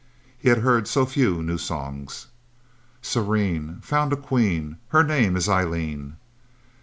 He had heard so few new songs. "Serene... Found a queen... And her name is Eileen..."